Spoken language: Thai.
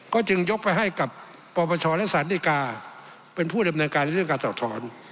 ก็จึงยกไปให้กับปปชและสารดีกาเป็นผู้ดำเนินการในเรื่องการต่อถอน